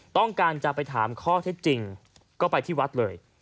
ต้องการจะไปถามข้อเท็จจริงก็ไปที่วัดเลย